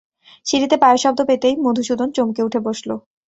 সিঁড়িতে পায়ের শব্দ পেতেই মধুসূদন চমকে উঠে বসল।